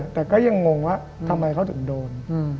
แต่ก็ยังงงว่าทำไมเขาถึงโดน